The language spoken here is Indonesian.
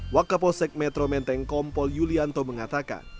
wakapolsek metro menteng kompol yulianto mengatakan